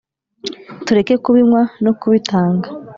tureke kubinywa no kubitanga